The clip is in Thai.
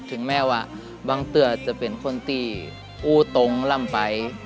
ถึงแม้ว่าบังเตือจะเป็นคนที่อู้ตรงล่ำไป